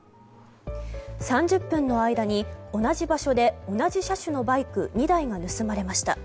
３０分の間に、同じ場所で同じ車種のバイク２台が盗まれました。